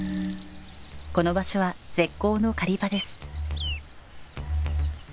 この場所は絶好の狩り場です。